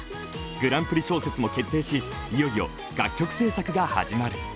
グランプリ小説も決定し、いよいよ楽曲制作が始まる。